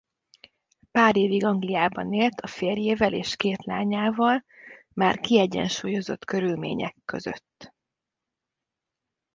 Pár évig Angliában élt a férjével és két lányával már kiegyensúlyozott körülmények között.